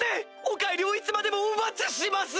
お帰りをいつまでもお待ちします！